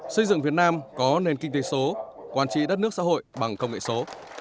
xây dựng việt nam có nền kinh tế số quan trị đất nước xã hội bằng công nghệ số